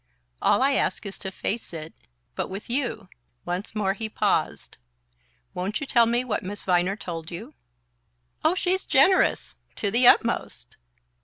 "All I ask is to face it but with you." Once more he paused. "Won't you tell me what Miss Viner told you?" "Oh, she's generous to the utmost!"